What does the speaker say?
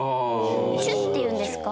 チュッていうんですか？